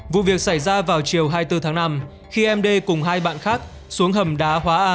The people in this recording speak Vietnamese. vụ việc xảy ra vào chiều hai mươi bốn tháng năm khi em đê cùng hai bạn khác xuống hầm đá hóa a